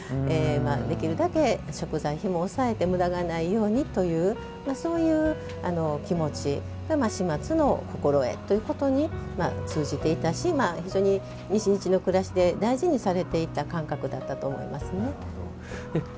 できるだけ、食材費ひもを抑えてむだがないようにというそういう気持ちが始末の心ということにつながっていたし非常に暮らしで大事にされていた感覚だと思います。